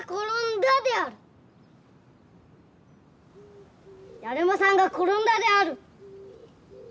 だるまさんが転んだである。